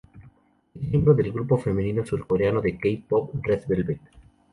Es miembro del grupo femenino surcoreano de k-pop Red Velvet.